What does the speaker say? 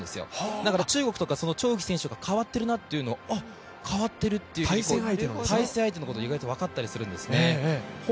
だから中国とか、張雨霏選手とか代わってるなというのがあっ、かわってるって、対戦相手のことが意外と分かったりするんですね。